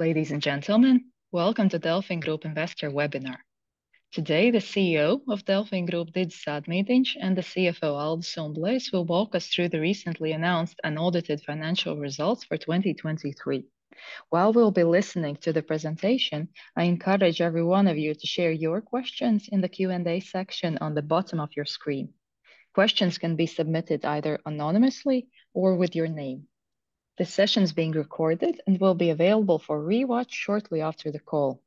Ladies and gentlemen, welcome to DelfinGroup Investor Webinar. Today the CEO of DelfinGroup, Didzis Ādmīdiņš and the CFO Aldis Umblejs will walk us through the recently announced and audited financial results for 2023. While we'll be listening to the presentation, I encourage every one of you to share your questions in the Q&A section on the bottom of your screen. Questions can be submitted either anonymously or with your name. This session is being recorded and will be available for rewatch shortly after the call.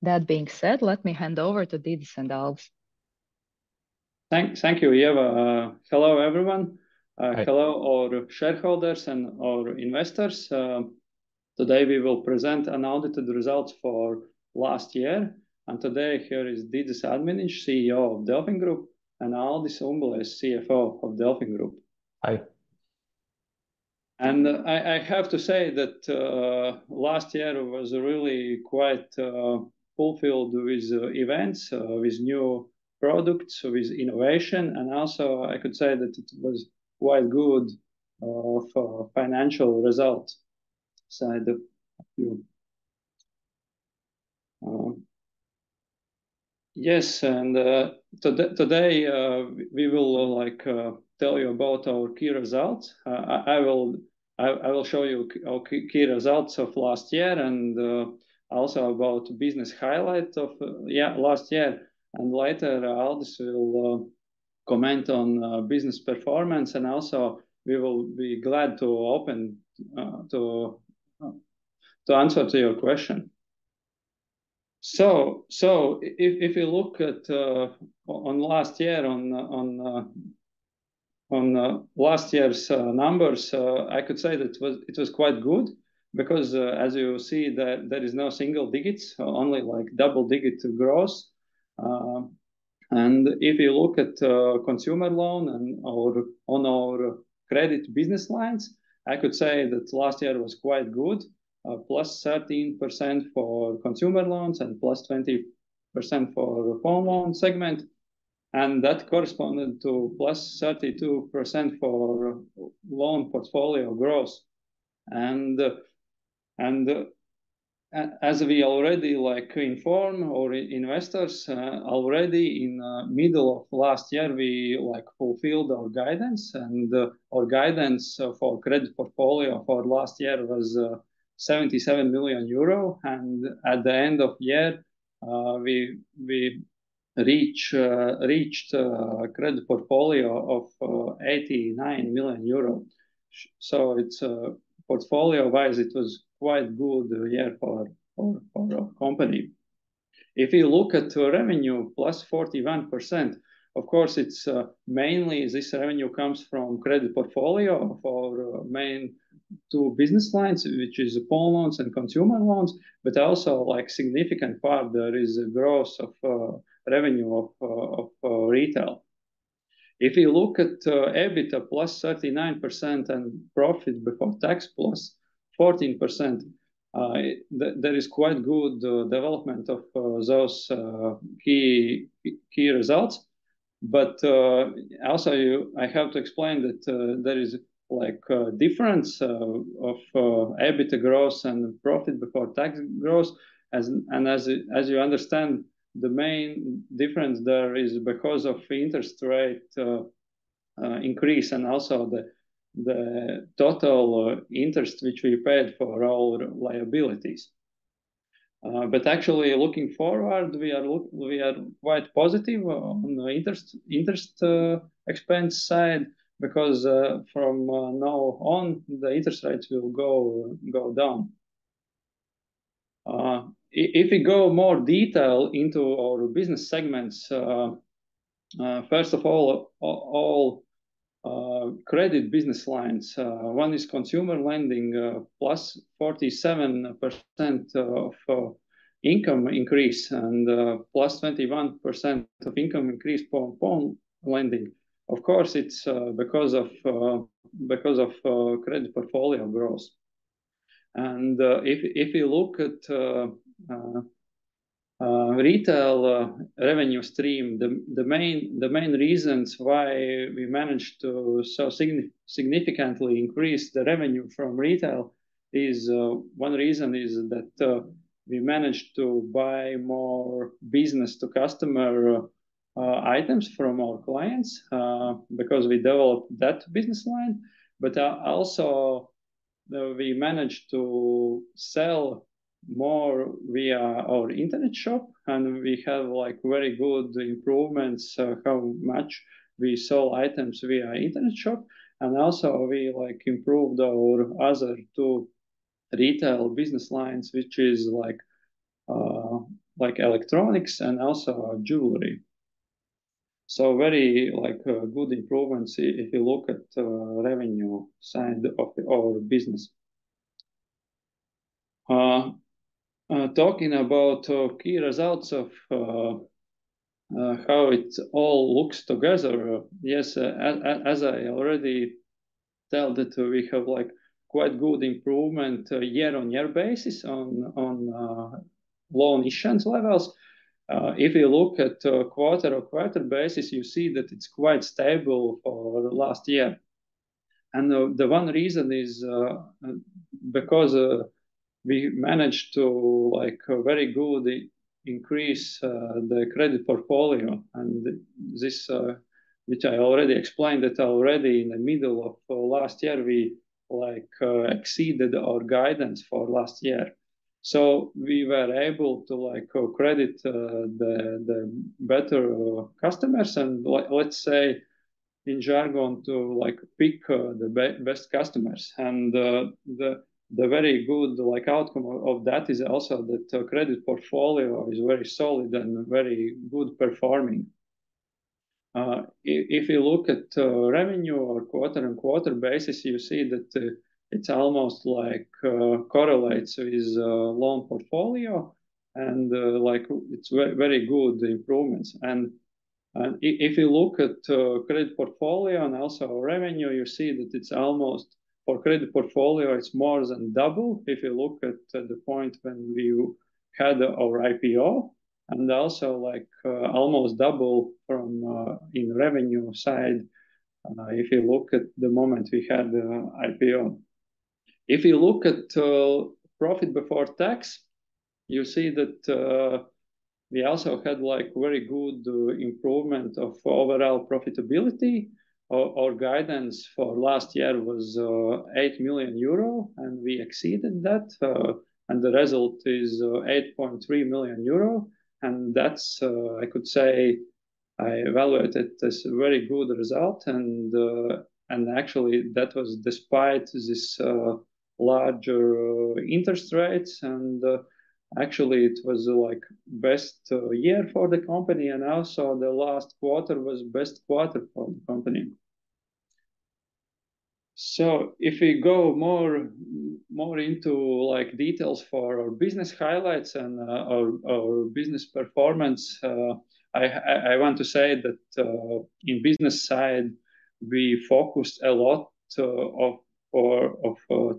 That being said, let me hand over to Didzis and Aldis. Thank you, Ieva. Hello everyone. Hello our shareholders and our investors. Today we will present an audited results for last year, and today here is Didzis Ādmīdiņš, CEO of DelfinGroup, and Aldis Umblejs, CFO of DelfinGroup. Hi. I have to say that last year was really quite fulfilled with events, with new products, with innovation, and also I could say that it was quite good financial results side of view. Yes, and today we will tell you about our key results. I will show you key results of last year and also about business highlight of last year, and later Aldis will comment on business performance, and also we will be glad to answer to your question. So if you look at last year on last year's numbers, I could say that it was quite good because as you see there is no single digits, only double digit growth. If you look at consumer loan and on our credit business lines, I could say that last year was quite good, +13% for consumer loans and +20% for phone loan segment, and that corresponded to +32% for loan portfolio growth. As we already inform our investors, already in the middle of last year we fulfilled our guidance, and our guidance for credit portfolio for last year was 77 million euro, and at the end of year we reached a credit portfolio of EUR 89 million. Portfolio-wise it was quite good year for our company. If you look at revenue, +41%, of course this revenue comes from credit portfolio for main two business lines, which is phone loans and consumer loans, but also a significant part there is growth of revenue of retail. If you look at EBITDA +39% and profit before tax +14%, there is quite good development of those key results. But also I have to explain that there is a difference of EBITDA growth and profit before tax growth, and as you understand, the main difference there is because of interest rate increase and also the total interest which we paid for our liabilities. But actually looking forward we are quite positive on the interest expense side because from now on the interest rates will go down. If we go more detail into our business segments, first of all, all credit business lines, one is consumer lending +47% of income increase and +21% of income increase for phone lending. Of course it's because of credit portfolio growth. And if you look at retail revenue stream, the main reasons why we managed to significantly increase the revenue from retail is one reason is that we managed to buy more business-to-customer items from our clients because we developed that business line, but also we managed to sell more via our internet shop and we have very good improvements how much we sold items via internet shop and also we improved our other two retail business lines, which is electronics and also jewelry. So very good improvements if you look at revenue side of our business. Talking about key results of how it all looks together, yes, as I already tell that we have quite good improvement year-on-year basis on loan issuance levels. If you look at quarter-on-quarter basis you see that it's quite stable for last year. The one reason is because we managed to very good increase the credit portfolio and this, which I already explained that already in the middle of last year we exceeded our guidance for last year. So we were able to credit the better customers and let's say in jargon to pick the best customers and the very good outcome of that is also that credit portfolio is very solid and very good performing. If you look at revenue on quarter-over-quarter basis you see that it almost correlates with loan portfolio and it's very good improvements. If you look at credit portfolio and also revenue you see that it's almost for credit portfolio it's more than double if you look at the point when we had our IPO and also almost double in revenue side if you look at the moment we had the IPO. If you look at profit before tax you see that we also had very good improvement of overall profitability. Our guidance for last year was 8 million euro and we exceeded that and the result is 8.3 million euro and that's I could say I evaluated as a very good result and actually that was despite these larger interest rates and actually it was the best year for the company and also the last quarter was the best quarter for the company. So if we go more into details for our business highlights and our business performance, I want to say that in business side we focused a lot of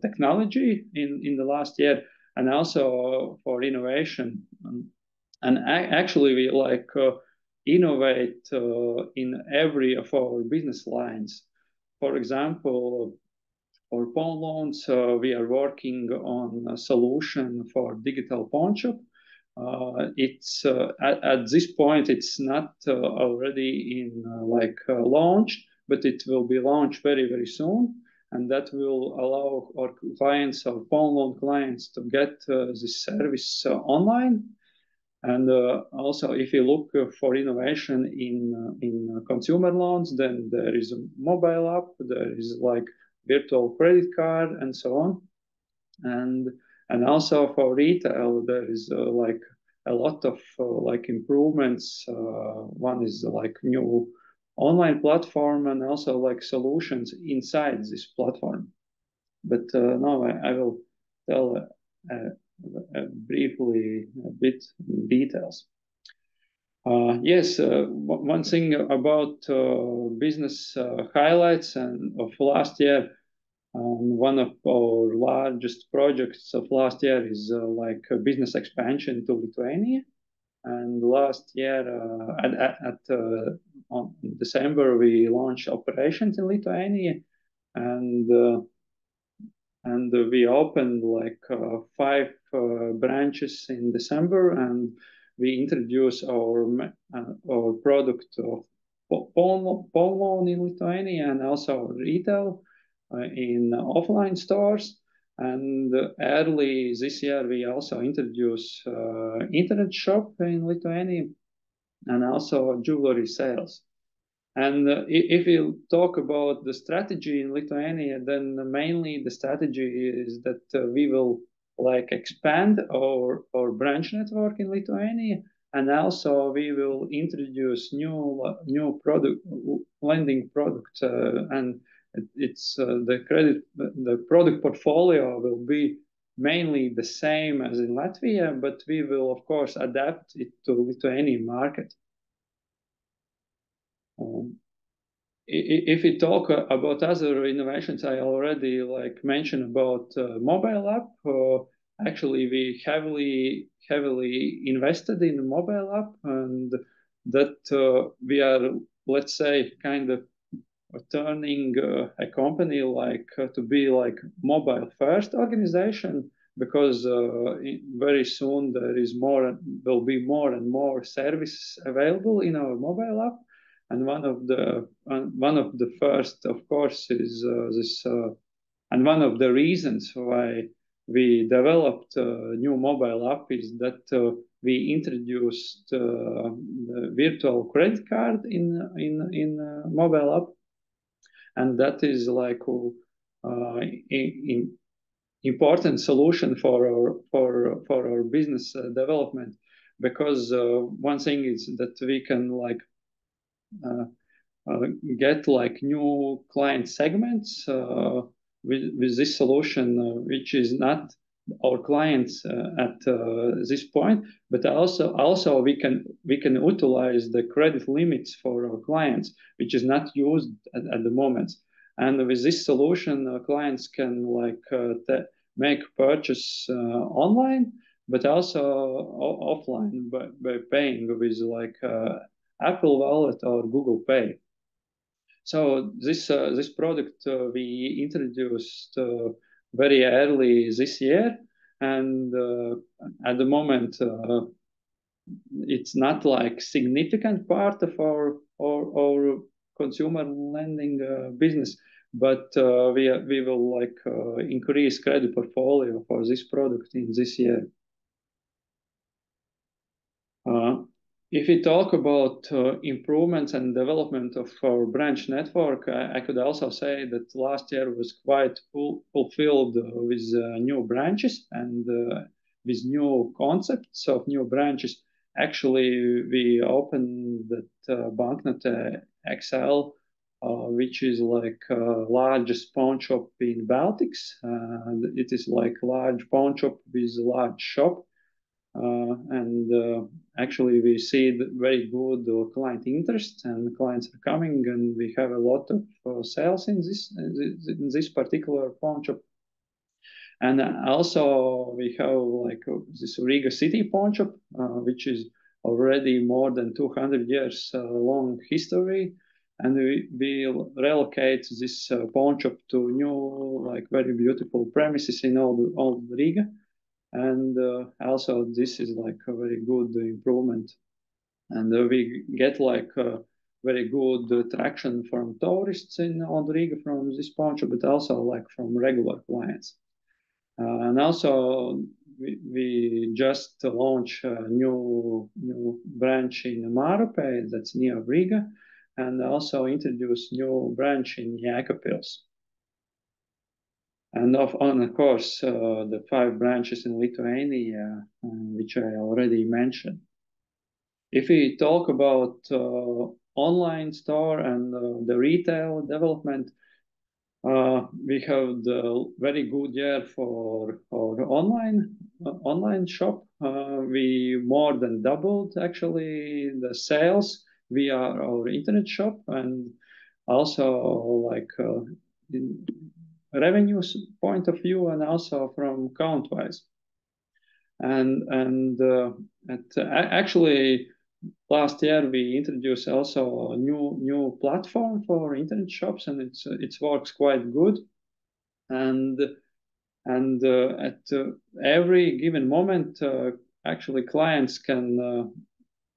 technology in the last year and also for innovation. Actually we innovate in every of our business lines. For example, for phone loans we are working on a solution for digital phone shop. At this point it's not already launched, but it will be launched very, very soon, and that will allow our phone loan clients to get this service online. And also, if you look for innovation in consumer loans, then there is a mobile app, there is virtual credit card, and so on. And also for retail there is a lot of improvements. One is new online platform and also solutions inside this platform. But now I will tell briefly a bit in details. Yes, one thing about business highlights of last year, one of our largest projects of last year is business expansion to Lithuania. And last year in December we launched operations in Lithuania and we opened five branches in December and we introduced our product of phone loan in Lithuania and also retail in offline stores. Early this year we also introduced internet shop in Lithuania and also jewelry sales. If we talk about the strategy in Lithuania then mainly the strategy is that we will expand our branch network in Lithuania and also we will introduce new lending products and the product portfolio will be mainly the same as in Latvia, but we will of course adapt it to Lithuania market. If we talk about other innovations, I already mentioned about mobile app. Actually we heavily invested in the mobile app and that we are, let's say, kind of turning a company to be mobile-first organization because very soon there will be more and more services available in our mobile app. One of the first, of course, is this, and one of the reasons why we developed a new mobile app is that we introduced virtual credit card in mobile app. That is an important solution for our business development because one thing is that we can get new client segments with this solution, which is not our clients at this point, but also we can utilize the credit limits for our clients, which is not used at the moment. With this solution clients can make purchases online, but also offline by paying with Apple Wallet or Google Pay. This product we introduced very early this year and at the moment it's not a significant part of our consumer lending business, but we will increase credit portfolio for this product in this year. If we talk about improvements and development of our branch network, I could also say that last year was quite fulfilled with new branches and with new concepts of new branches. Actually we opened Banknote XL, which is a large pawn shop in Baltics. It is a large pawn shop with a large shop. Actually we see very good client interest and clients are coming and we have a lot of sales in this particular pawn shop. Also we have this Riga City pawn shop, which is already more than 200 years long history. We will relocate this pawn shop to new very beautiful premises in Old Riga. Also this is a very good improvement. We get very good traction from tourists in Old Riga from this pawn shop, but also from regular clients. Also we just launched a new branch in Mārupe, that's near Riga, and also introduced a new branch in Jēkabpils. Of course, the five branches in Lithuania, which I already mentioned. If we talk about the online store and the retail development, we had a very good year for our online shop. We more than doubled actually the sales via our internet shop and also revenue point of view and also from count-wise. Actually last year we introduced also a new platform for internet shops and it works quite good. At every given moment actually clients can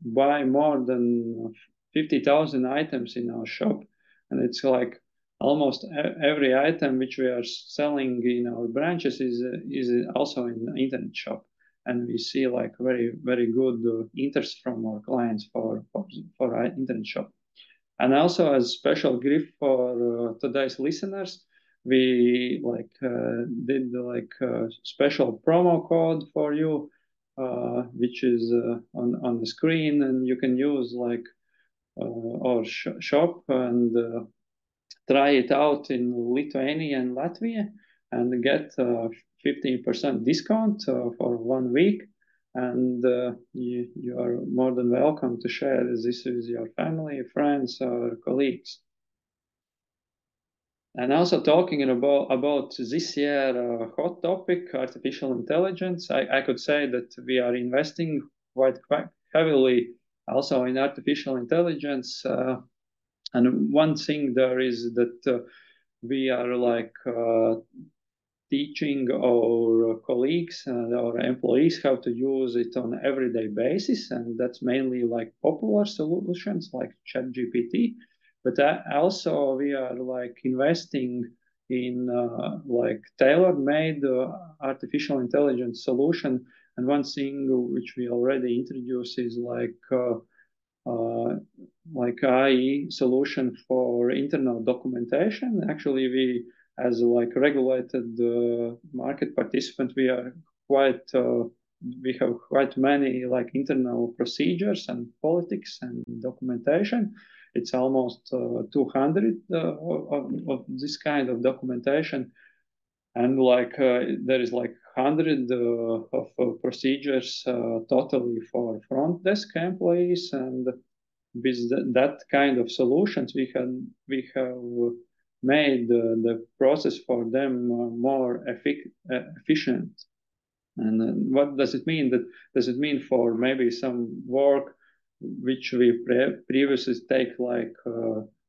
buy more than 50,000 items in our shop and it's almost every item which we are selling in our branches is also in the internet shop. We see very good interest from our clients for our internet shop. Also as a special gift for today's listeners, we did a special promo code for you, which is on the screen and you can use our shop and try it out in Lithuania and Latvia and get a 15% discount for one week. You are more than welcome to share this with your family, friends, or colleagues. Also talking about this year's hot topic, artificial intelligence, I could say that we are investing quite heavily also in artificial intelligence. One thing there is that we are teaching our colleagues and our employees how to use it on an everyday basis. And that's mainly popular solutions like ChatGPT. But also we are investing in a tailor-made artificial intelligence solution. One thing which we already introduced is an AI solution for internal documentation. Actually, we as a regulated market participant, we have quite many internal procedures and policies and documentation. It's almost 200 of this kind of documentation. There are hundreds of procedures totally for front desk employees. With that kind of solutions, we have made the process for them more efficient. What does it mean? Does it mean for maybe some work, which we previously take like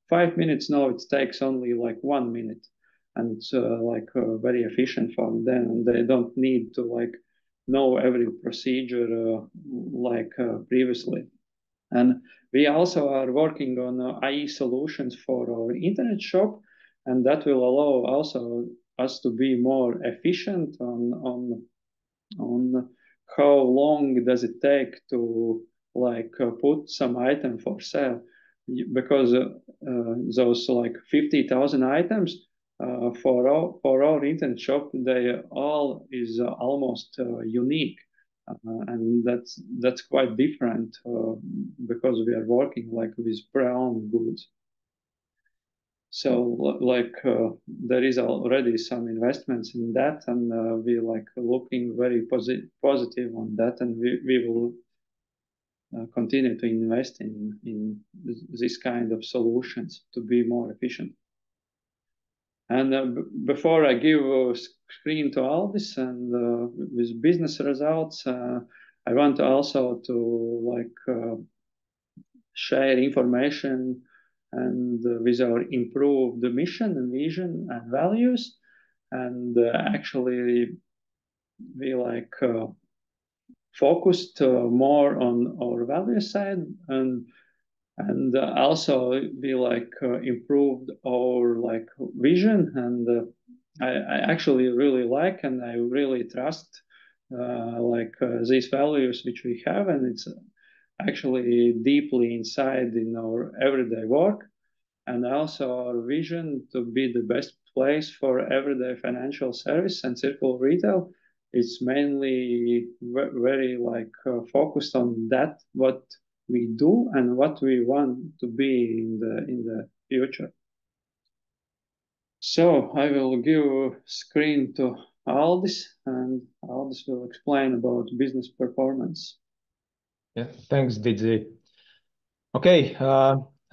five minutes, now it takes only like one minute. And it's very efficient for them. They don't need to know every procedure like previously. And we also are working on AI solutions for our internet shop. And that will allow also us to be more efficient on how long does it take to put some item for sale. Because those 50,000 items for our internet shop, they are all almost unique. And that's quite different because we are working with brown goods. So there are already some investments in that. And we are looking very positive on that. And we will continue to invest in these kinds of solutions to be more efficient. Before I give a screen to all this and with business results, I want also to share information with our improved mission and vision and values. Actually we focused more on our value side and also improved our vision. And I actually really like and I really trust these values which we have. And it's actually deeply inside in our everyday work. Also our vision to be the best place for everyday financial service and circular retail. It's mainly very focused on what we do and what we want to be in the future. So I will give a screen to Aldis. And Aldis will explain about business performance. Yeah, thanks, Didzis. Okay,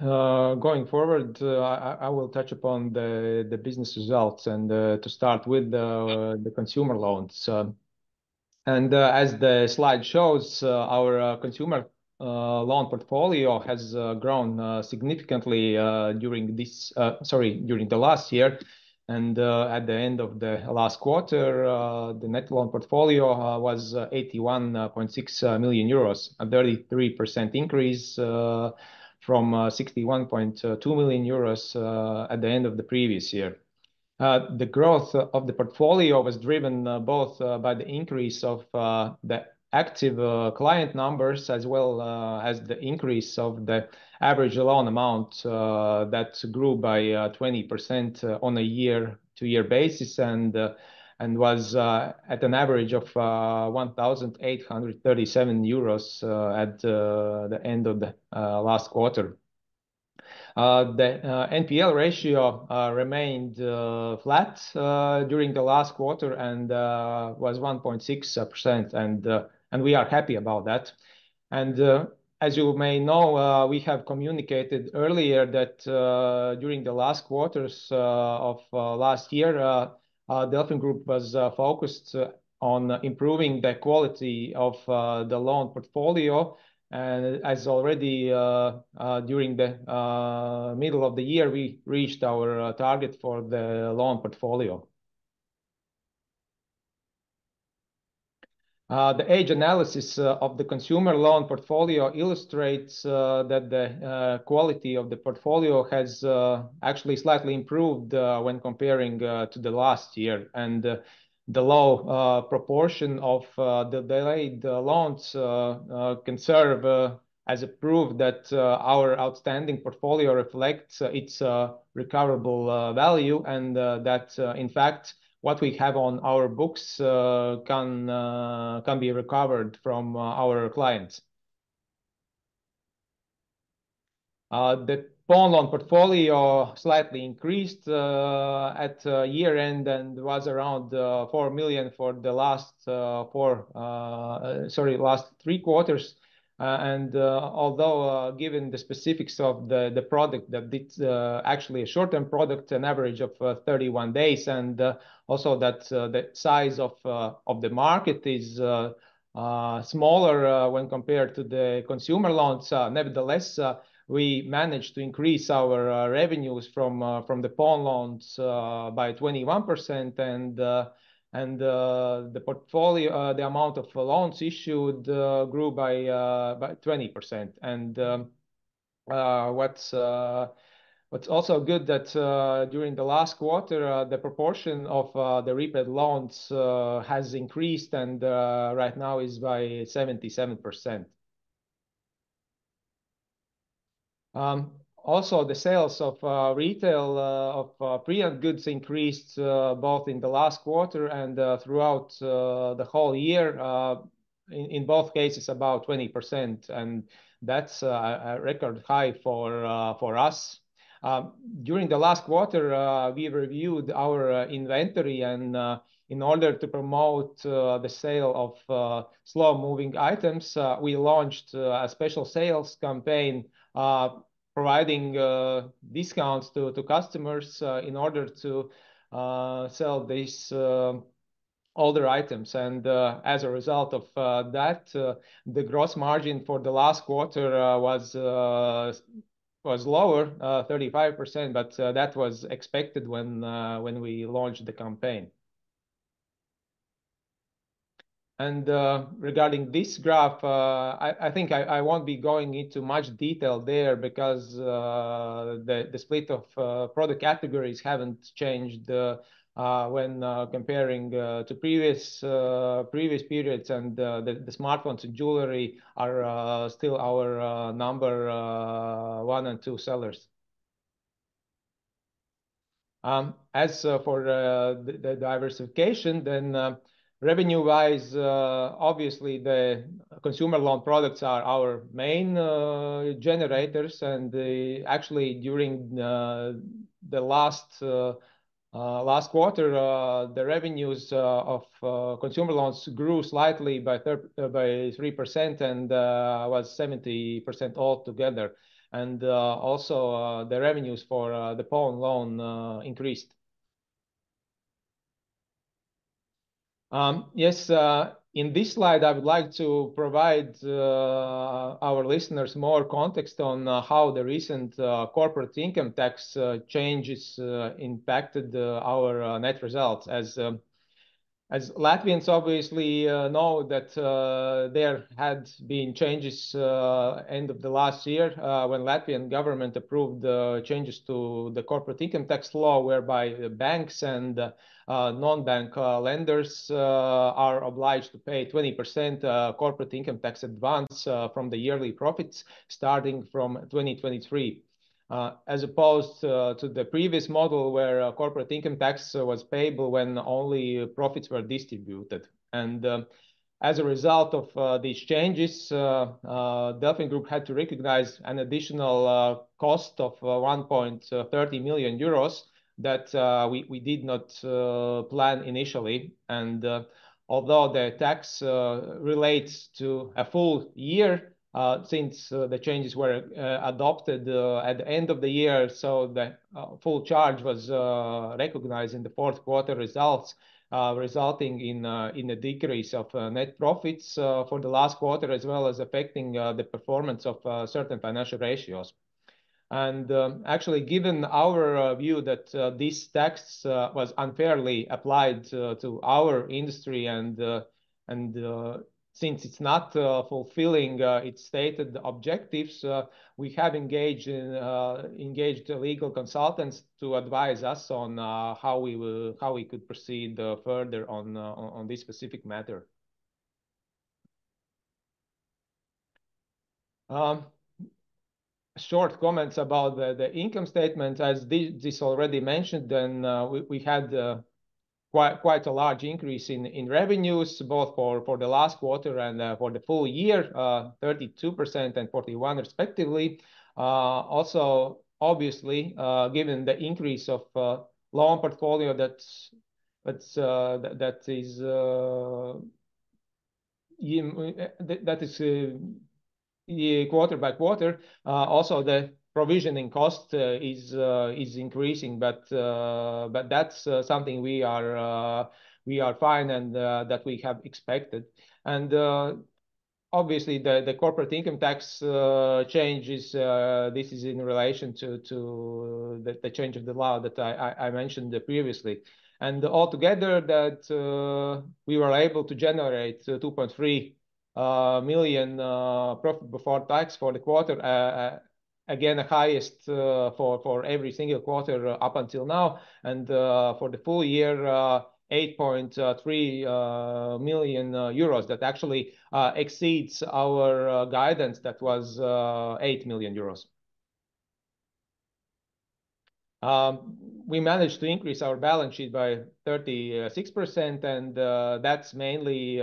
going forward, I will touch upon the business results. To start with the consumer loans. As the slide shows, our consumer loan portfolio has grown significantly during the last year. At the end of the last quarter, the net loan portfolio was 81.6 million euros, a 33% increase from 61.2 million euros at the end of the previous year. The growth of the portfolio was driven both by the increase of the active client numbers as well as the increase of the average loan amount that grew by 20% on a year-to-year basis and was at an average of 1,837 euros at the end of the last quarter. The NPL ratio remained flat during the last quarter and was 1.6%. We are happy about that. As you may know, we have communicated earlier that during the last quarters of last year, DelfinGroup was focused on improving the quality of the loan portfolio. And as already during the middle of the year, we reached our target for the loan portfolio. The age analysis of the consumer loan portfolio illustrates that the quality of the portfolio has actually slightly improved when comparing to the last year. And the low proportion of the delayed loans can serve as proof that our outstanding portfolio reflects its recoverable value and that, in fact, what we have on our books can be recovered from our clients. The phone loan portfolio slightly increased at year-end and was around 4 million for the last Q3. And although given the specifics of the product that it's actually a short-term product, an average of 31 days, and also that the size of the market is smaller when compared to the consumer loans, nevertheless, we managed to increase our revenues from the phone loans by 21%. The amount of loans issued grew by 20%. What's also good that during the last quarter, the proportion of the repaid loans has increased and right now is by 77%. Also, the sales of retail of pre-owned goods increased both in the last quarter and throughout the whole year. In both cases, about 20%. That's a record high for us. During the last quarter, we reviewed our inventory. In order to promote the sale of slow-moving items, we launched a special sales campaign providing discounts to customers in order to sell these older items. As a result of that, the gross margin for the last quarter was lower, 35%, but that was expected when we launched the campaign. Regarding this graph, I think I won't be going into much detail there because the split of product categories hasn't changed when comparing to previous periods. The smartphones and jewelry are still our number one and two sellers. As for the diversification, then revenue-wise, obviously, the consumer loan products are our main generators. And actually, during the last quarter, the revenues of consumer loans grew slightly by 3% and was 70% altogether. Also, the revenues for the phone loan increased. Yes, in this slide, I would like to provide our listeners more context on how the recent corporate income tax changes impacted our net results. As Latvians, obviously, know that there had been changes at the end of the last year when the Latvian government approved changes to the corporate income tax law whereby banks and non-bank lenders are obliged to pay 20% corporate income tax advance from the yearly profits starting from 2023. As opposed to the previous model where corporate income tax was payable when only profits were distributed. As a result of these changes, DelfinGroup had to recognize an additional cost of 1.30 million euros that we did not plan initially. Although the tax relates to a full year since the changes were adopted at the end of the year, so the full charge was recognized in the Q4 results, resulting in a decrease of net profits for the last quarter as well as affecting the performance of certain financial ratios. Actually, given our view that this tax was unfairly applied to our industry and since it's not fulfilling its stated objectives, we have engaged legal consultants to advise us on how we could proceed further on this specific matter. Short comments about the income statement. As Didzis already mentioned, then we had quite a large increase in revenues both for the last quarter and for the full year, 32% and 41% respectively. Also, obviously, given the increase of loan portfolio that is quarter by quarter, also the provisioning cost is increasing. But that's something we are fine with and that we have expected. And obviously, the corporate income tax change, this is in relation to the change of the law that I mentioned previously. And altogether, we were able to generate 2.3 million profit before tax for the quarter, again, the highest for every single quarter up until now. And for the full year, 8.3 million euros that actually exceeds our guidance that was 8 million euros. We managed to increase our balance sheet by 36%. And that's mainly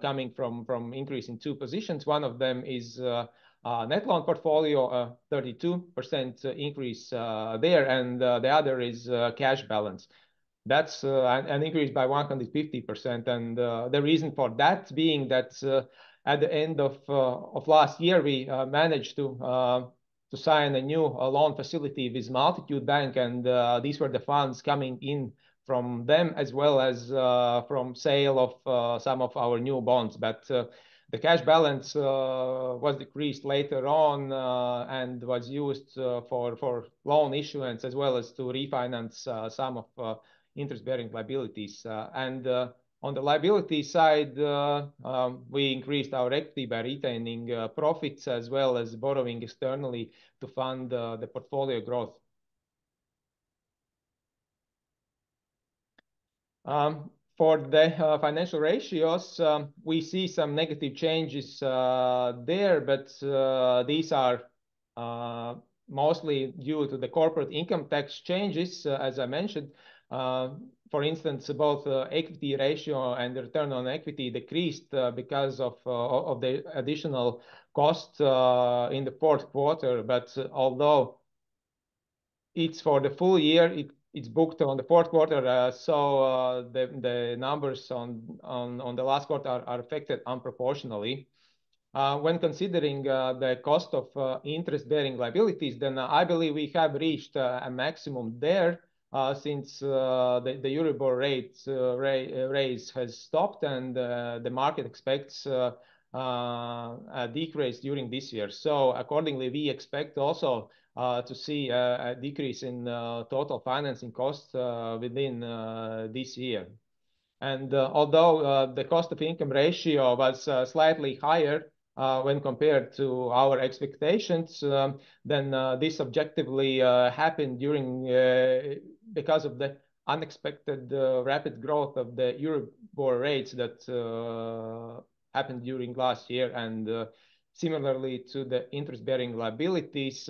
coming from an increase in two positions. One of them is net loan portfolio, a 32% increase there. And the other is cash balance. That's an increase by 150%. The reason for that being that at the end of last year, we managed to sign a new loan facility with Multitude Bank. These were the funds coming in from them as well as from the sale of some of our new bonds. The cash balance was decreased later on and was used for loan issuance as well as to refinance some of interest-bearing liabilities. On the liability side, we increased our equity by retaining profits as well as borrowing externally to fund the portfolio growth. For the financial ratios, we see some negative changes there. These are mostly due to the corporate income tax changes, as I mentioned. For instance, both the equity ratio and the return on equity decreased because of the additional cost in the Q4. Although it's for the full year, it's booked on the Q4. The numbers on the last quarter are affected disproportionately. When considering the cost of interest-bearing liabilities, then I believe we have reached a maximum there since the Euribor rate rise has stopped and the market expects a decrease during this year. Accordingly, we expect also to see a decrease in total financing costs within this year. Although the cost of income ratio was slightly higher when compared to our expectations, then this objectively happened because of the unexpected rapid growth of the Euribor rates that happened during last year. Similarly to the interest-bearing liabilities,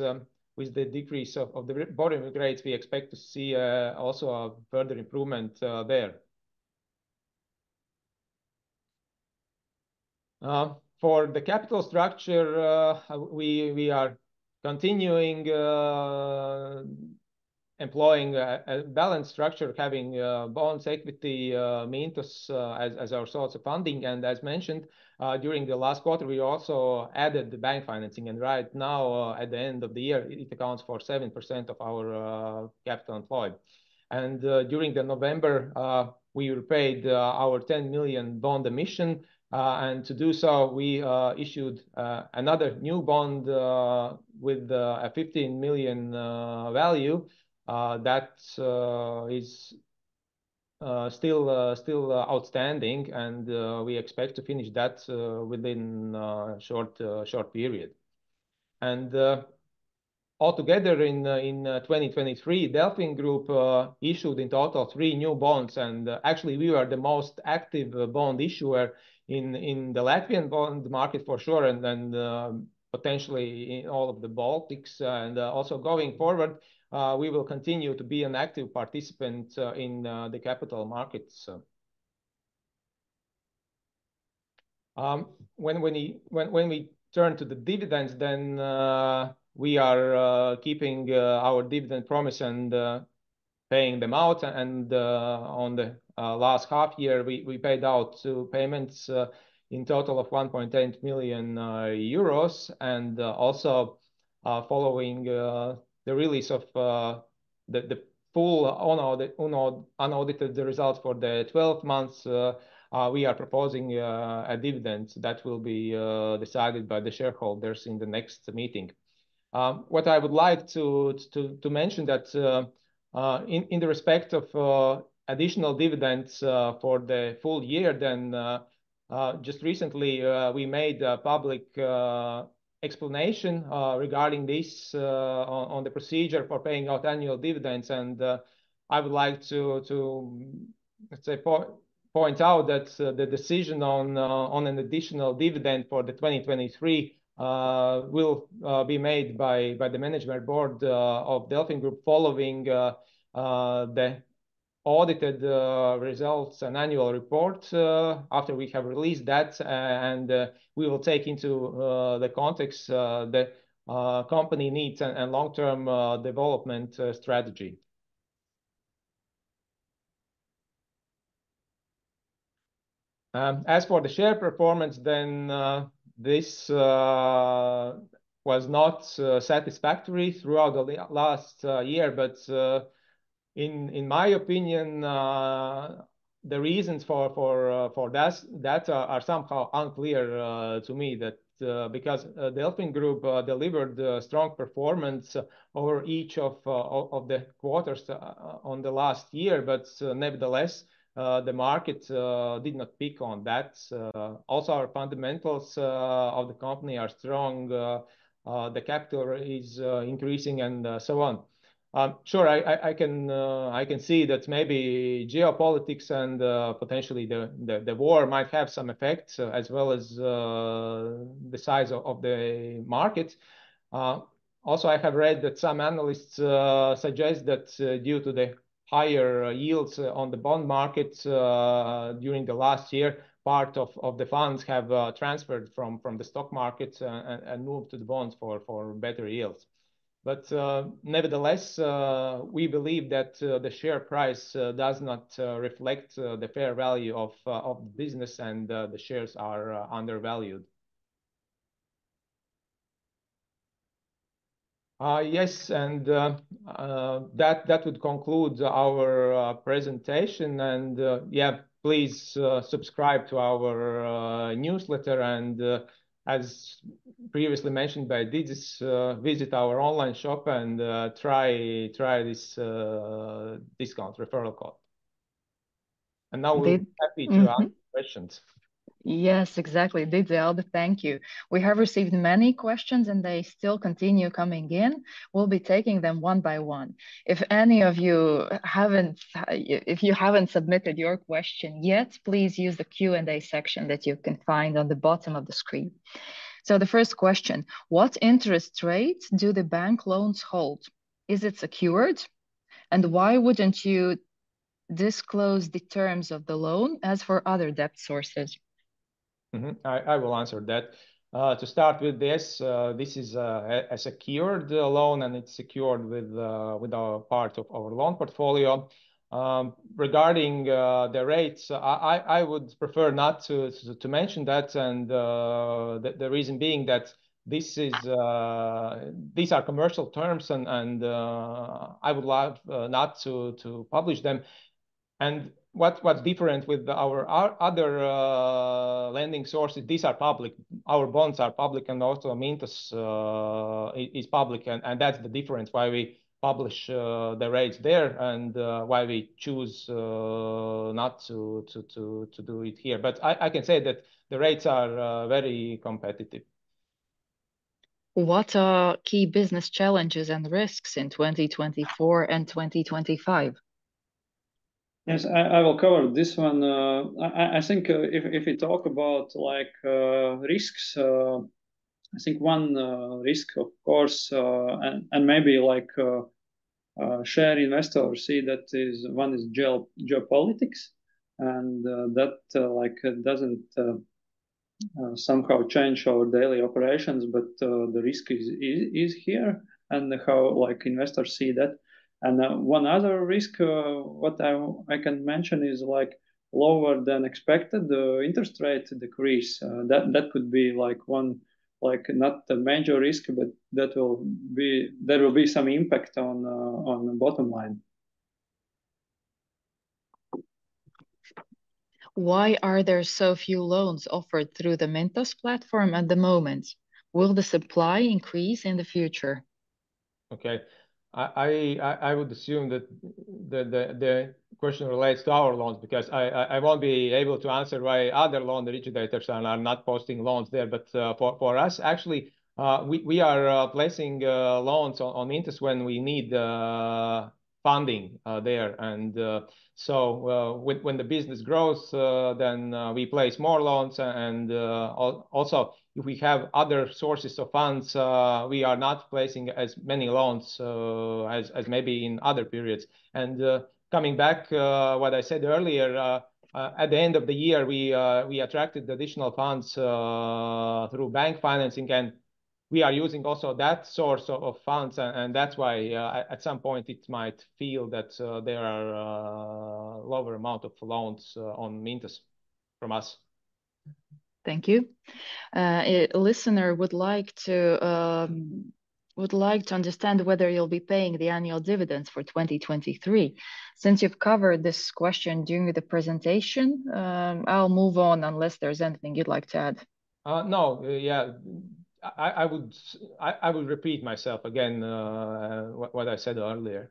with the decrease of the borrowing rates, we expect to see also a further improvement there. For the capital structure, we are continuing employing a balanced structure, having bonds, equity, Mintos as our source of funding. As mentioned, during the last quarter, we also added the bank financing. Right now, at the end of the year, it accounts for 7% of our capital employed. During November, we repaid our 10 million bond emission. To do so, we issued another new bond with a 15 million value. That is still outstanding. We expect to finish that within a short period. Altogether, in 2023, DelfinGroup issued in total three new bonds. Actually, we were the most active bond issuer in the Latvian bond market for sure and potentially in all of the Baltics. Also going forward, we will continue to be an active participant in the capital markets. When we turn to the dividends, we are keeping our dividend promise and paying them out. On the last half year, we paid out payments in total of 1.8 million euros. Also, following the release of the full unaudited results for the 12 months, we are proposing a dividend that will be decided by the shareholders in the next meeting. What I would like to mention that in the respect of additional dividends for the full year, then just recently, we made a public explanation regarding this on the procedure for paying out annual dividends. And I would like to, let's say, point out that the decision on an additional dividend for 2023 will be made by the management board of DelfinGroup following the audited results and annual report after we have released that. And we will take into the context the company needs and long-term development strategy. As for the share performance, then this was not satisfactory throughout the last year. In my opinion, the reasons for that are somehow unclear to me because DelfinGroup delivered strong performance over each of the quarters in the last year. Nevertheless, the market did not pick up on that. Also, our fundamentals of the company are strong. The capital is increasing and so on. Sure, I can see that maybe geopolitics and potentially the war might have some effects as well as the size of the market. Also, I have read that some analysts suggest that due to the higher yields on the bond market during the last year, part of the funds have transferred from the stock markets and moved to the bonds for better yields. But nevertheless, we believe that the share price does not reflect the fair value of the business. And the shares are undervalued. Yes, and that would conclude our presentation. And yeah, please subscribe to our newsletter. As previously mentioned by Didzis, visit our online shop and try this discount referral code. Now we're happy to answer questions. Yes, exactly. Didzis, Aldis, thank you. We have received many questions, and they still continue coming in. We'll be taking them one by one. If any of you haven't submitted your question yet, please use the Q&A section that you can find on the bottom of the screen. The first question, what interest rates do the bank loans hold? Is it secured? And why wouldn't you disclose the terms of the loan as for other debt sources? I will answer that. To start with this, this is a secured loan, and it's secured with part of our loan portfolio. Regarding the rates, I would prefer not to mention that. The reason being that these are commercial terms, and I would love not to publish them. What's different with our other lending sources, these are public. Our bonds are public, and also Mintos is public. That's the difference why we publish the rates there and why we choose not to do it here. But I can say that the rates are very competitive. What are key business challenges and risks in 2024 and 2025? Yes, I will cover this one. I think if we talk about risks, I think one risk, of course, and maybe share investors see that one is geopolitics. That doesn't somehow change our daily operations. But the risk is here and how investors see that. One other risk, what I can mention, is lower than expected interest rate decrease. That could be one not the major risk, but there will be some impact on the bottom line. Why are there so few loans offered through the Mintos platform at the moment? Will the supply increase in the future? Okay. I would assume that the question relates to our loans because I won't be able to answer why other loan originators are not posting loans there. But for us, actually, we are placing loans on Mintos when we need funding there. And so when the business grows, then we place more loans. And also, if we have other sources of funds, we are not placing as many loans as maybe in other periods. And coming back to what I said earlier, at the end of the year, we attracted additional funds through bank financing. And we are using also that source of funds. And that's why at some point, it might feel that there are a lower amount of loans on Mintos from us. Thank you. A listener would like to understand whether you'll be paying the annual dividends for 2023. Since you've covered this question during the presentation, I'll move on unless there's anything you'd like to add. No. Yeah, I would repeat myself again, what I said earlier.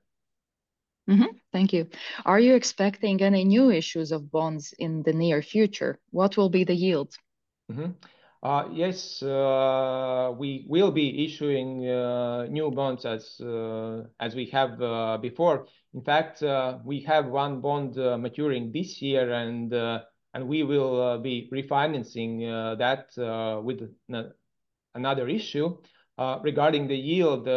Thank you. Are you expecting any new issues of bonds in the near future? What will be the yield? Yes, we will be issuing new bonds as we have before. In fact, we have one bond maturing this year. And we will be refinancing that with another issue. Regarding the yield,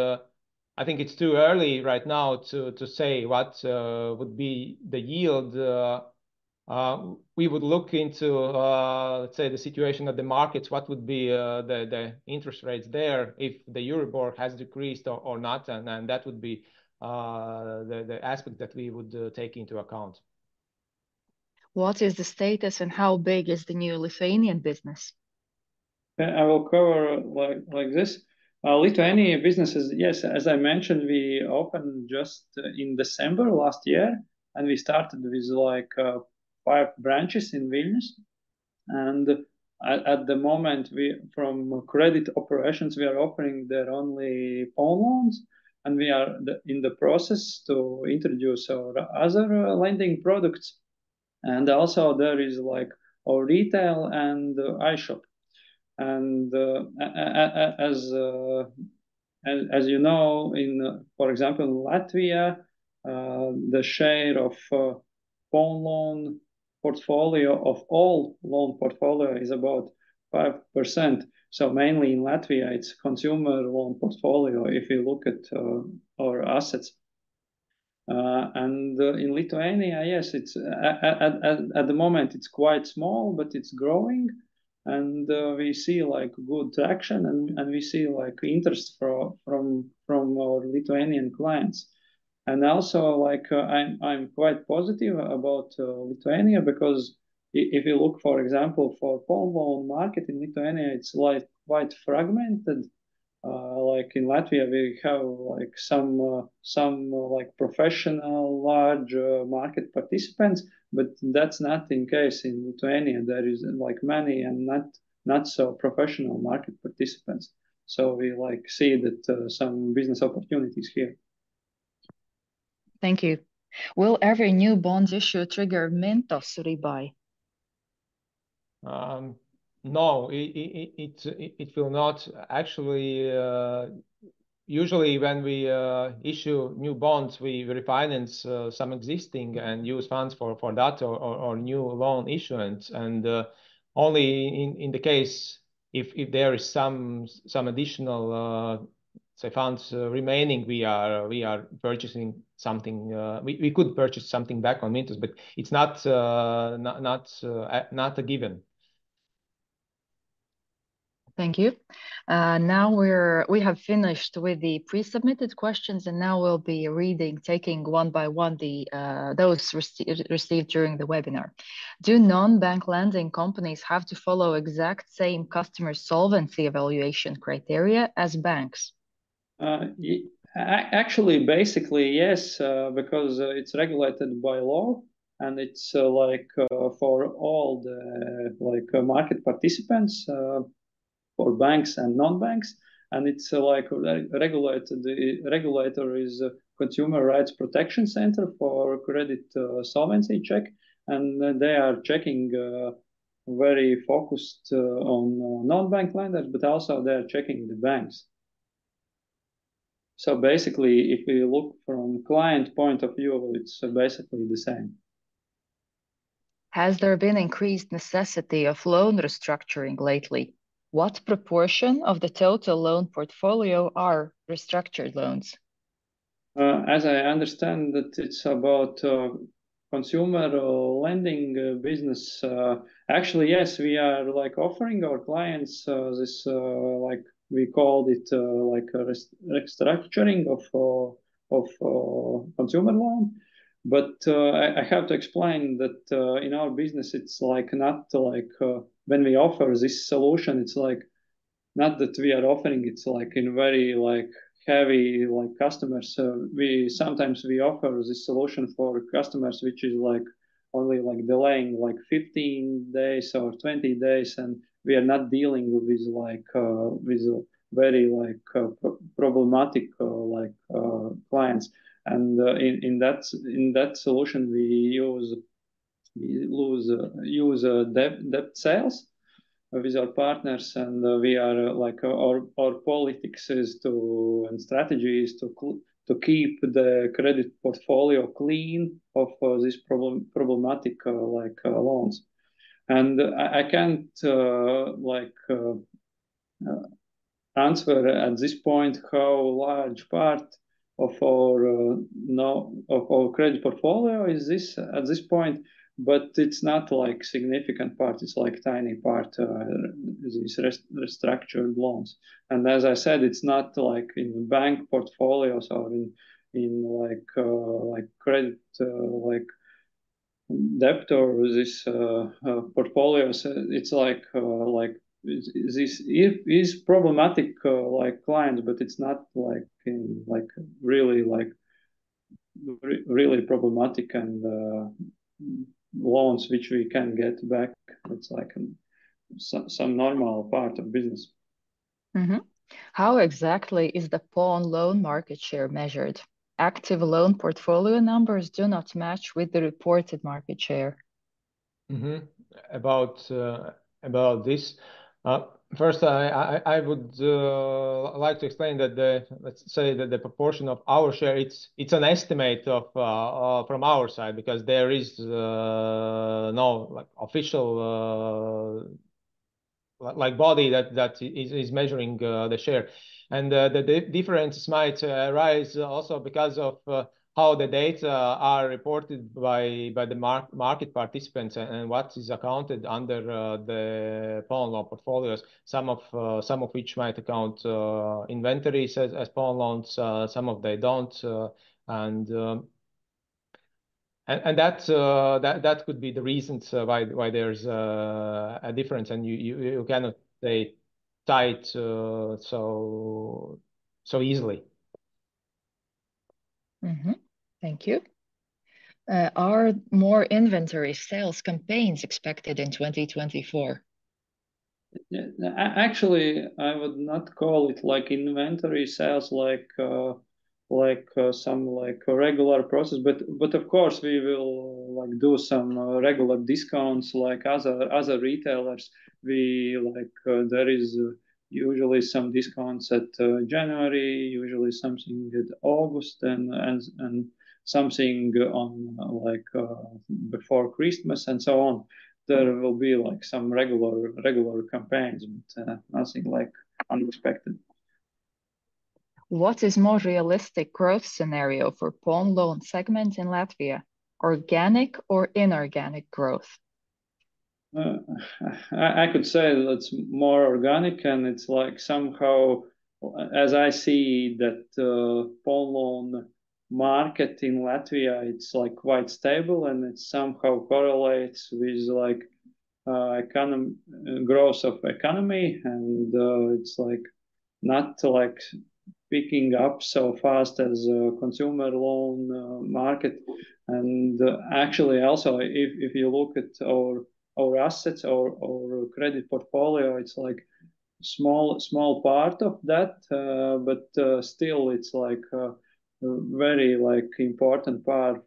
I think it's too early right now to say what would be the yield. We would look into, let's say, the situation of the markets, what would be the interest rates there if the Euribor has decreased or not. And that would be the aspect that we would take into account. What is the status and how big is the new Lithuanian business? I will cover like this. Lithuanian businesses, yes, as I mentioned, we opened just in December last year. We started with 5 branches in Vilnius. At the moment, from credit operations, we are offering there only phone loans. We are in the process to introduce other lending products. Also, there is our retail and e-shop. As you know, for example, in Latvia, the share of phone loan portfolio, of all loan portfolio, is about 5%. So mainly in Latvia, it's consumer loan portfolio if you look at our assets. In Lithuania, yes, at the moment, it's quite small, but it's growing. We see good traction. We see interest from our Lithuanian clients. Also, I'm quite positive about Lithuania because if you look, for example, for phone loan market in Lithuania, it's quite fragmented. In Latvia, we have some professional large market participants. But that's not the case in Lithuania. There are many and not so professional market participants. So we see some business opportunities here. Thank you. Will every new bond issue trigger Mintos buyback? No, it will not. Actually, usually, when we issue new bonds, we refinance some existing and use funds for that or new loan issuance. Only in the case if there is some additional, let's say, funds remaining, we are purchasing something. We could purchase something back on Mintos, but it's not a given. Thank you. Now we have finished with the pre-submitted questions. Now we'll be reading, taking one by one, those received during the webinar. Do non-bank lending companies have to follow exact same customer solvency evaluation criteria as banks? Actually, basically, yes, because it's regulated by law. It's for all the market participants, for banks and non-banks. The regulator is the Consumer Rights Protection Center for Credit Solvency Check. They are checking very focused on non-bank lenders, but also they are checking the banks. So basically, if we look from the client point of view, it's basically the same. Has there been increased necessity of loan restructuring lately? What proportion of the total loan portfolio are restructured loans? As I understand, that it's about consumer lending business. Actually, yes, we are offering our clients this, we called it a restructuring of consumer loan. But I have to explain that in our business, it's not when we offer this solution, it's not that we are offering it in very heavy customers. Sometimes we offer this solution for customers, which is only delaying 15 days or 20 days. We are not dealing with very problematic clients. In that solution, we lose debt sales with our partners. Our policy and strategies are to keep the credit portfolio clean of these problematic loans. I can't answer at this point how large part of our credit portfolio is this at this point. But it's not a significant part. It's a tiny part, these restructured loans. As I said, it's not in bank portfolios or in credit debt or these portfolios. These are problematic clients, but it's not really problematic loans which we can get back. It's some normal part of business. How exactly is the phone loan market share measured? Active loan portfolio numbers do not match with the reported market share. About this, first, I would like to explain that, let's say, the proportion of our share, it's an estimate from our side because there is no official body that is measuring the share. The differences might rise also because of how the data are reported by the market participants and what is accounted under the phone loan portfolios, some of which might account inventories as phone loans. Some of them don't. That could be the reasons why there's a difference. You cannot say tight so easily. Thank you. Are more inventory sales campaigns expected in 2024? Actually, I would not call it inventory sales like some regular process. But of course, we will do some regular discounts like other retailers. There are usually some discounts at January, usually something in August, and something before Christmas and so on. There will be some regular campaigns, but nothing unexpected. What is the most realistic growth scenario for phone loan segments in Latvia? Organic or inorganic growth? I could say it's more organic. Somehow, as I see that phone loan market in Latvia, it's quite stable. It somehow correlates with growth of the economy. It's not picking up so fast as the consumer loan market. Actually, also, if you look at our assets or credit portfolio, it's a small part of that. But still, it's a very important part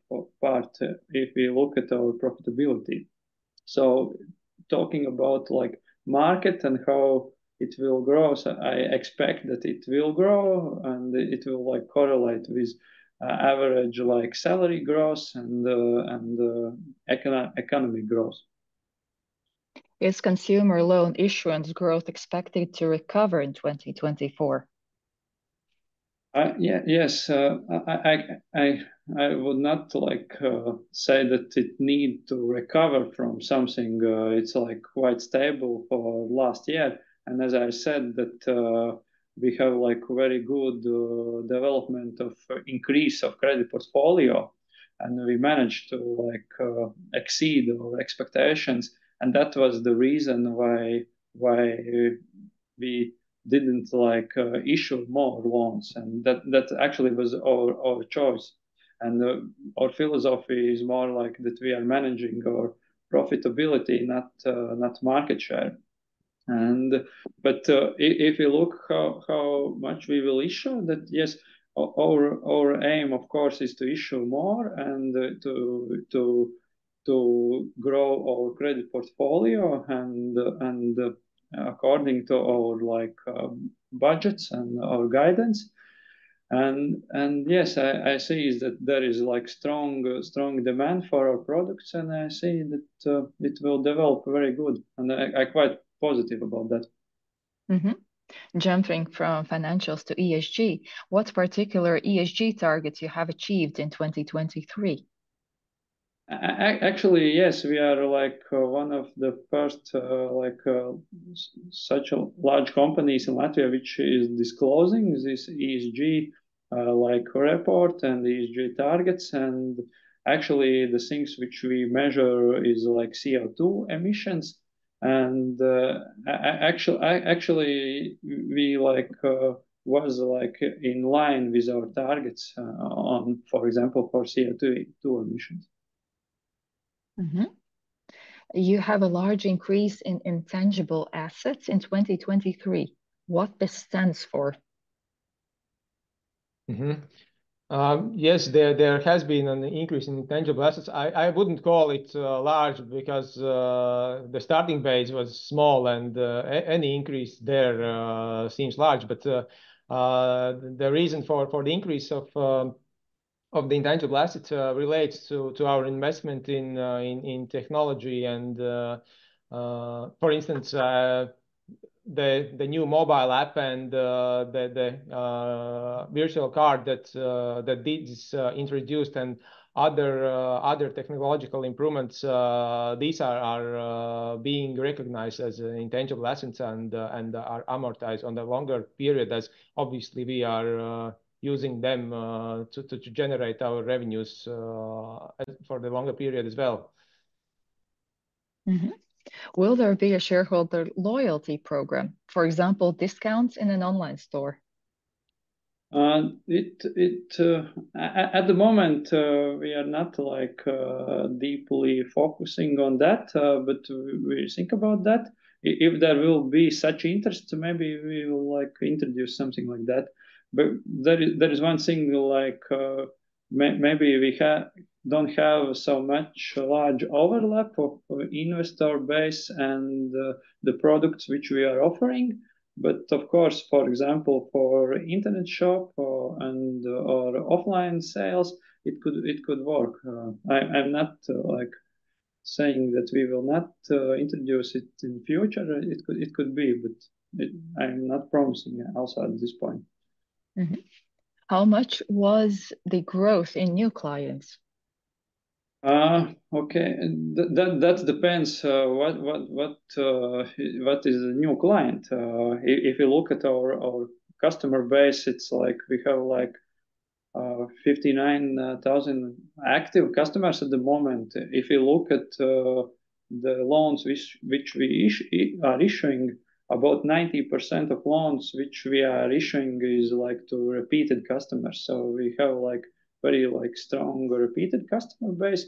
if we look at our profitability. So talking about market and how it will grow, I expect that it will grow. It will correlate with average salary growth and economic growth. Is consumer loan issuance growth expected to recover in 2024? Yes. I would not say that it needs to recover from something. It's quite stable for last year. As I said, we have a very good development of increase of credit portfolio. We managed to exceed our expectations. That was the reason why we didn't issue more loans. That actually was our choice. Our philosophy is more that we are managing our profitability, not market share. But if you look how much we will issue, yes, our aim, of course, is to issue more and to grow our credit portfolio according to our budgets and our guidance. Yes, I see that there is strong demand for our products. I see that it will develop very good. I'm quite positive about that. Jumping from financials to ESG, what particular ESG targets do you have achieved in 2023? Actually, yes, we are one of the first such large companies in Latvia which is disclosing this ESG report and ESG targets. Actually, the things which we measure are CO2 emissions. Actually, we were in line with our targets, for example, for CO2 emissions. You have a large increase in intangible assets in 2023. What this stands for? Yes, there has been an increase in intangible assets. I wouldn't call it large because the starting base was small. And any increase there seems large. But the reason for the increase of the intangible assets relates to our investment in technology. And for instance, the new mobile app and the virtual card that Didzis introduced and other technological improvements, these are being recognized as intangible assets and are amortized on a longer period. Obviously, we are using them to generate our revenues for the longer period as well. Will there be a shareholder loyalty program, for example, discounts in an online store? At the moment, we are not deeply focusing on that. But we think about that. If there will be such interest, maybe we will introduce something like that. But there is one thing, maybe we don't have so much large overlap of investor base and the products which we are offering. But of course, for example, for internet shop and offline sales, it could work. I'm not saying that we will not introduce it in the future. It could be, but I'm not promising also at this point. How much was the growth in new clients? Okay. That depends what is the new client. If you look at our customer base, we have 59,000 active customers at the moment. If you look at the loans which we are issuing, about 90% of loans which we are issuing is to repeated customers. So we have a very strong repeated customer base.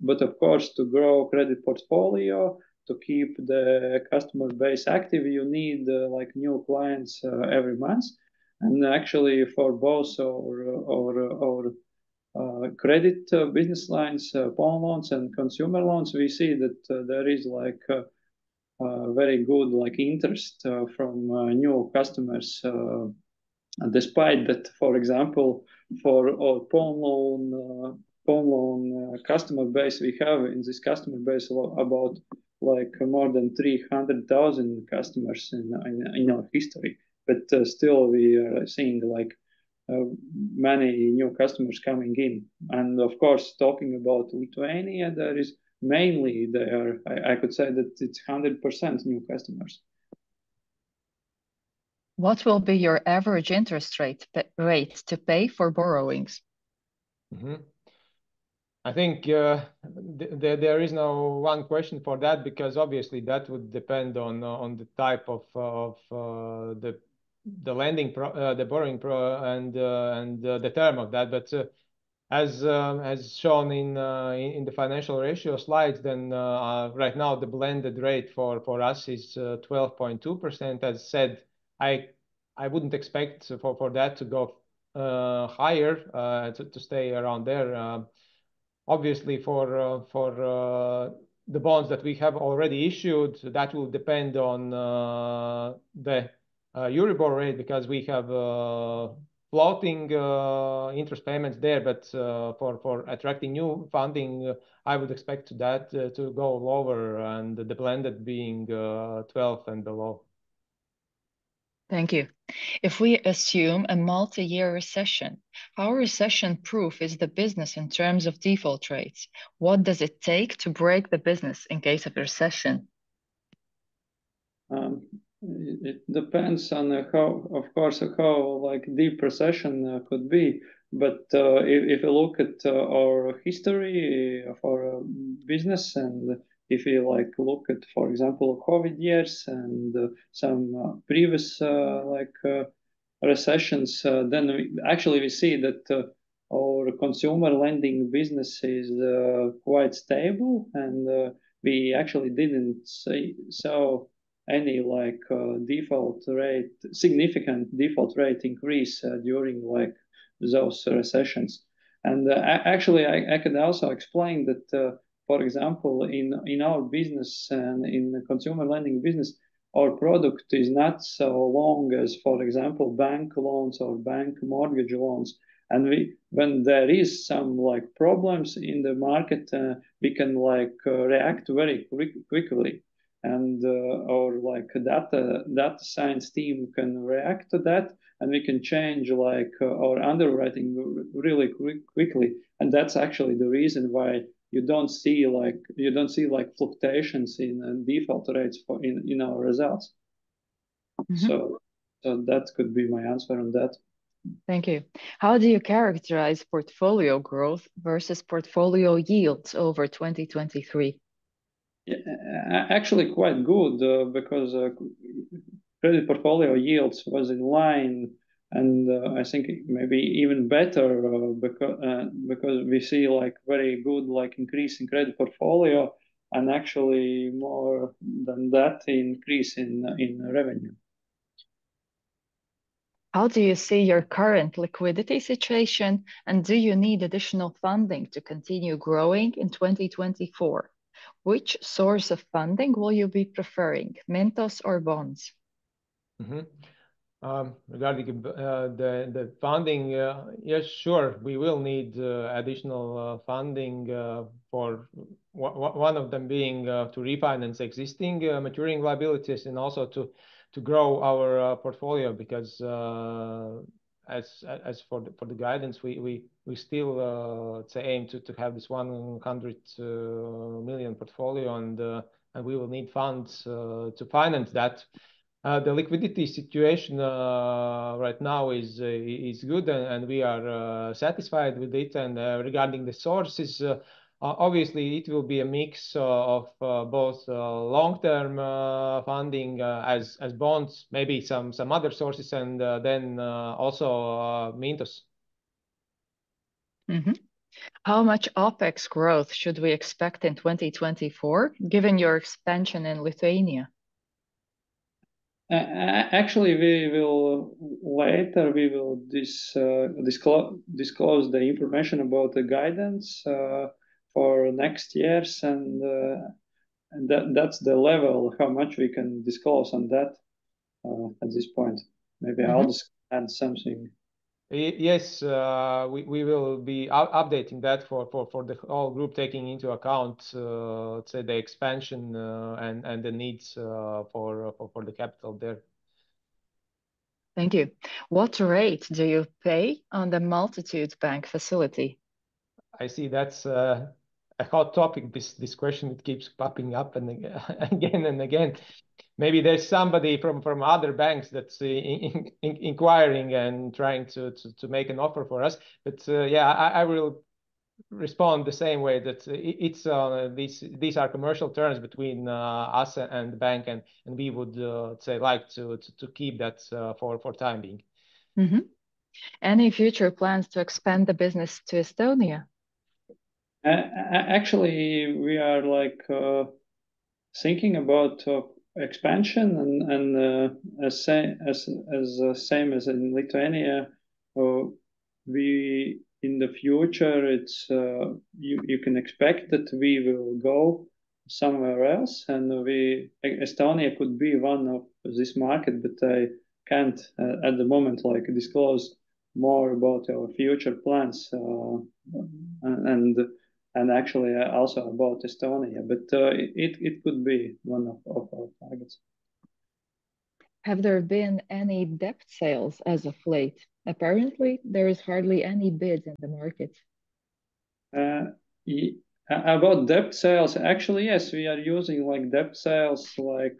But of course, to grow credit portfolio, to keep the customer base active, you need new clients every month. And actually, for both our credit business lines, phone loans and consumer loans, we see that there is very good interest from new customers. Despite that, for example, for our phone loan customer base, we have in this customer base about more than 300,000 customers in our history. But still, we are seeing many new customers coming in. And of course, talking about Lithuania, mainly, I could say that it's 100% new customers. What will be your average interest rate to pay for borrowings? I think there is no one question for that because obviously, that would depend on the type of the borrowing and the term of that. But as shown in the financial ratio slides, then right now, the blended rate for us is 12.2%. As said, I wouldn't expect for that to go higher, to stay around there. Obviously, for the bonds that we have already issued, that will depend on the Euribor rate because we have floating interest payments there. But for attracting new funding, I would expect that to go lower and the blended being 12 and below. Thank you. If we assume a multi-year recession, how recession-proof is the business in terms of default rates? What does it take to break the business in case of recession? It depends on, of course, how deep recession could be. But if you look at our history for business and if you look at, for example, COVID years and some previous recessions, then actually, we see that our consumer lending business is quite stable. And we actually didn't see any significant default rate increase during those recessions. Actually, I can also explain that, for example, in our business and in the consumer lending business, our product is not as long as, for example, bank loans or bank mortgage loans. And when there are some problems in the market, we can react very quickly. And our data science team can react to that. And we can change our underwriting really quickly. And that's actually the reason why you don't see fluctuations in default rates in our results. So that could be my answer on that. Thank you. How do you characterize portfolio growth versus portfolio yields over 2023? Actually, quite good because credit portfolio yields were in line. And I think maybe even better because we see a very good increase in credit portfolio and actually more than that increase in revenue. How do you see your current liquidity situation? Do you need additional funding to continue growing in 2024? Which source of funding will you be preferring, Mintos or bonds? Regarding the funding, yes, sure. We will need additional funding, one of them being to refinance existing maturing liabilities and also to grow our portfolio because, as for the guidance, we still aim to have this 100 million portfolio. We will need funds to finance that. The liquidity situation right now is good. We are satisfied with it. Regarding the sources, obviously, it will be a mix of both long-term funding as bonds, maybe some other sources, and then also Mintos. How much OpEx growth should we expect in 2024 given your expansion in Lithuania? Actually, later, we will disclose the information about the guidance for next years. That's the level how much we can disclose on that at this point. Maybe I'll just add something. Yes. We will be updating that for the whole group taking into account, let's say, the expansion and the needs for the capital there. Thank you. What rate do you pay on the Multitude Bank facility? I see that's a hot topic, this question. It keeps popping up again and again. Maybe there's somebody from other banks that's inquiring and trying to make an offer for us. But yeah, I will respond the same way that these are commercial terms between us and the bank. And we would, let's say, like to keep that for the time being. Any future plans to expand the business to Estonia? Actually, we are thinking about expansion. And as same as in Lithuania, in the future, you can expect that we will go somewhere else. And Estonia could be one of this market. But I can't, at the moment, disclose more about our future plans and actually also about Estonia. But it could be one of our targets. Have there been any debt sales as of late? Apparently, there are hardly any bids in the market. About debt sales, actually, yes, we are using debt sales like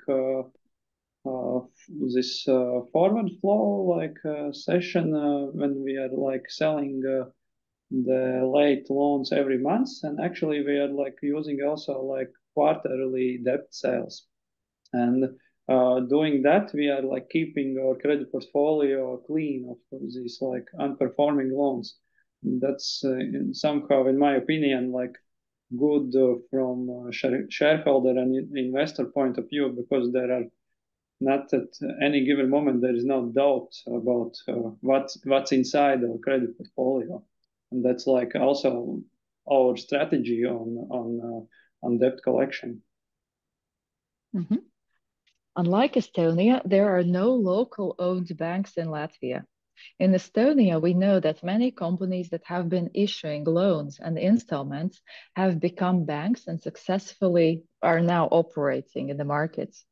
this forward flow session when we are selling the late loans every month. And actually, we are using also quarterly debt sales. And doing that, we are keeping our credit portfolio clean of these non-performing loans. That's somehow, in my opinion, good from a shareholder and investor point of view because there are not at any given moment, there is no doubt about what's inside our credit portfolio. And that's also our strategy on debt collection. Unlike Estonia, there are no local-owned banks in Latvia. In Estonia, we know that many companies that have been issuing loans and installments have become banks and successfully are now operating in the markets.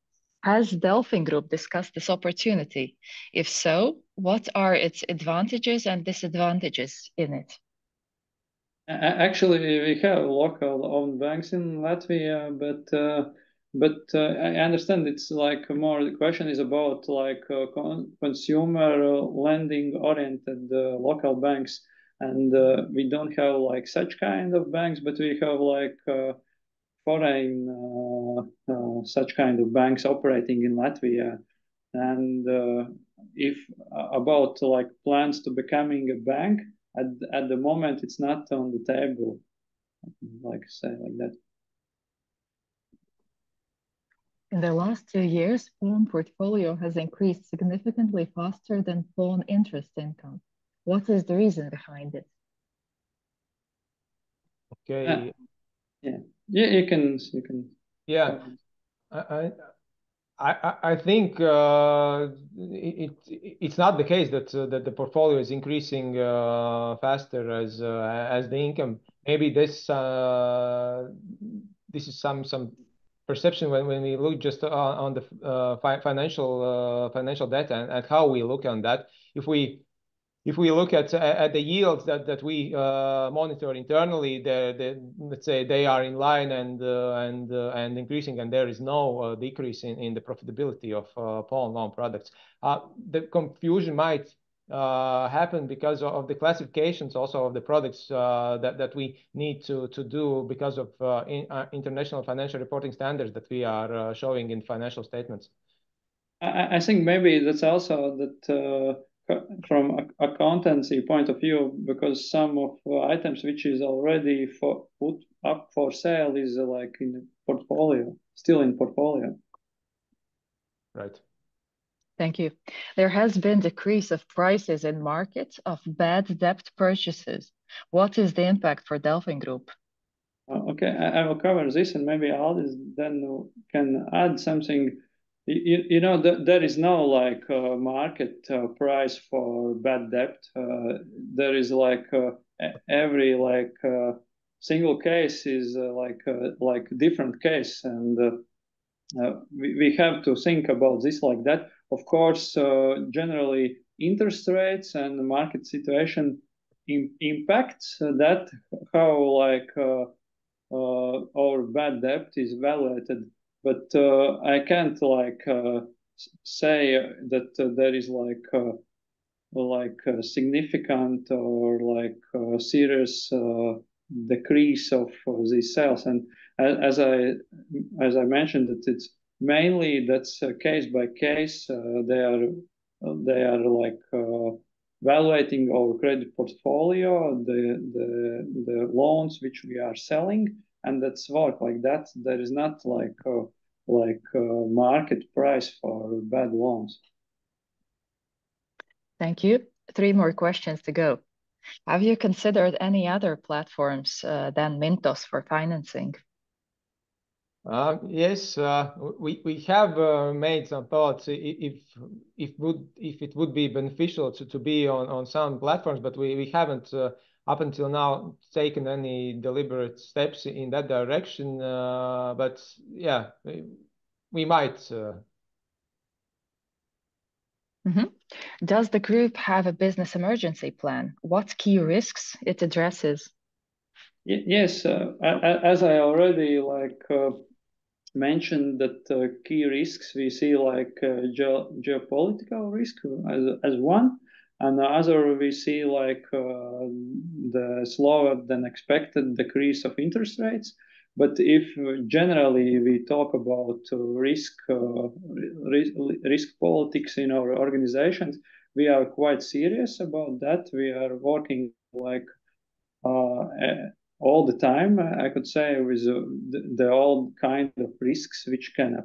Has DelfinGroup discussed this opportunity? If so, what are its advantages and disadvantages in it? Actually, we have local-owned banks in Latvia. But I understand it's more the question is about consumer lending-oriented local banks. And we don't have such kind of banks. But we have foreign such kind of banks operating in Latvia. And about plans to becoming a bank, at the moment, it's not on the table, like I say, like that. In the last two years, pawn portfolio has increased significantly faster than pawn interest income. What is the reason behind it? Okay. Yeah. You can. Yeah. I think it's not the case that the portfolio is increasing faster as the income. Maybe this is some perception when we look just on the financial data and how we look on that. If we look at the yields that we monitor internally, let's say they are in line and increasing. And there is no decrease in the profitability of phone loan products. The confusion might happen because of the classifications also of the products that we need to do because of International Financial Reporting Standards that we are showing in financial statements. I think maybe that's also that from an accountancy point of view because some of items which are already put up for sale are still in portfolio. Right. Thank you. There has been a decrease of prices in the market of bad debt purchases. What is the impact for DelfinGroup? Okay. I will cover this. And maybe Aldis then can add something. There is no market price for bad debt. Every single case is a different case. We have to think about this like that. Of course, generally, interest rates and market situation impact how our bad debt is valuated. I can't say that there is a significant or serious decrease of these sales. As I mentioned, mainly, that's case by case. They are valuating our credit portfolio, the loans which we are selling. That's work like that. There is not a market price for bad loans. Thank you. Three more questions to go. Have you considered any other platforms than Mintos for financing? Yes. We have made some thoughts if it would be beneficial to be on some platforms. We haven't, up until now, taken any deliberate steps in that direction. Yeah, we might. Does the group have a business emergency plan? What key risks it addresses? Yes. As I already mentioned, key risks, we see geopolitical risk as one. And the other, we see the slower-than-expected decrease of interest rates. But if generally, we talk about risk policies in our organizations, we are quite serious about that. We are working all the time, I could say, with the old kind of risks which can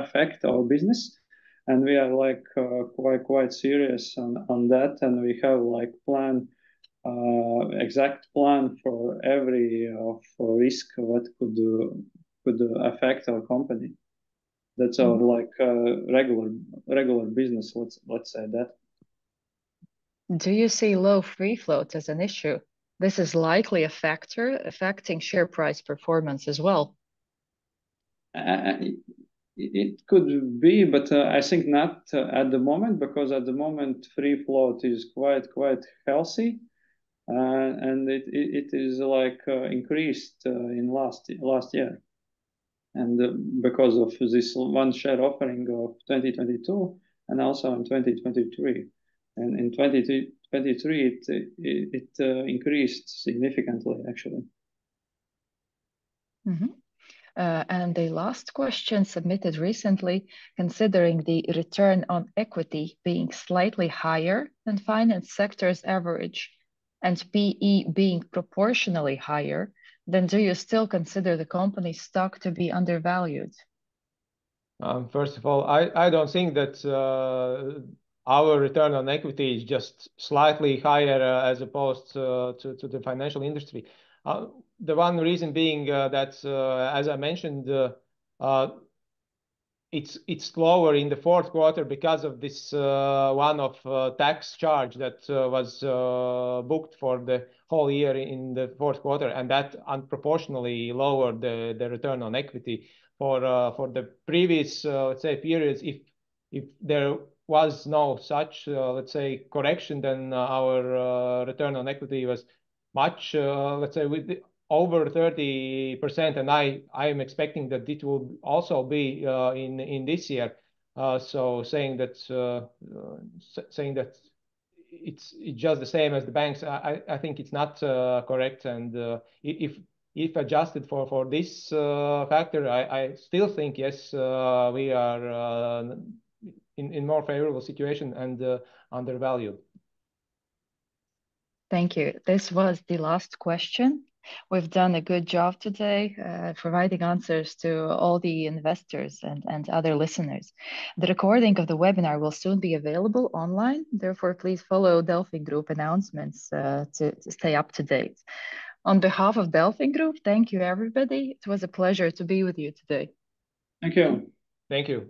affect our business. And we are quite serious on that. And we have an exact plan for every risk that could affect our company. That's our regular business, let's say that. Do you see low Free floats as an issue? This is likely a factor affecting share price performance as well. It could be, but I think not at the moment because at the moment, Free float is quite healthy. And it has increased in the last year. And because of this one share offering of 2022 and also in 2023. In 2023, it increased significantly, actually. The last question submitted recently, considering the return on equity being slightly higher than finance sectors' average and P/E being proportionally higher, then do you still consider the company's stock to be undervalued? First of all, I don't think that our return on equity is just slightly higher as opposed to the financial industry. The one reason being that, as I mentioned, it's lower in the fourth quarter because of this one tax charge that was booked for the whole year in the Q4. And that unproportionately lowered the return on equity for the previous, let's say, periods. If there was no such, let's say, correction, then our return on equity was much, let's say, over 30%. And I am expecting that it will also be in this year. Saying that it's just the same as the banks, I think it's not correct. And if adjusted for this factor, I still think, yes, we are in a more favorable situation and undervalued. Thank you. This was the last question. We've done a good job today providing answers to all the investors and other listeners. The recording of the webinar will soon be available online. Therefore, please follow DelfinGroup announcements to stay up to date. On behalf of DelfinGroup, thank you, everybody. It was a pleasure to be with you today. Thank you. Thank you.